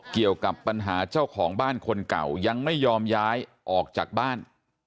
เกี่ยวกับปัญหาเจ้าของบ้านคนเก่ายังไม่ยอมย้ายออกจากบ้าน